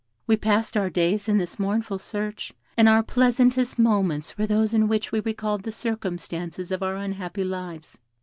We passed our days in this mournful search, and our pleasantest moments were those in which we recalled the circumstances of our unhappy lives.